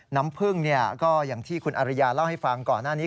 น้ำพึ่งก็อย่างที่คุณอริยาเล่าให้ฟังก่อนหน้านี้